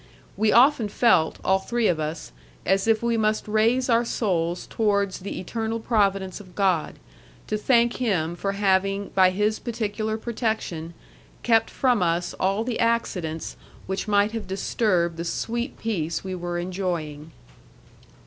We often felt, all three of us, as if we must raise our souls towards the eternal Providence of God, to thank Him for having, by His particular protection, kept from us all the accidents which might have disturbed the sweet peace we were enjoying.